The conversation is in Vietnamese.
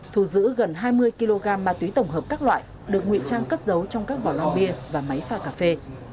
thù giữ gần hai mươi kg ma túy tổng hợp các loại được nguyễn trang cất giấu trong các vỏ lòng bia và máy pha cà phê